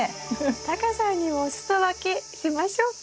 タカさんにもお裾分けしましょうか？